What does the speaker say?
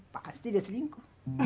pasti dia selingkuh